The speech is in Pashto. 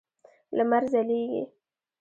لمر ځلېږي.